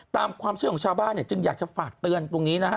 ตามความเชื่อของชาวบ้านเนี่ยจึงอยากจะฝากเตือนตรงนี้นะฮะ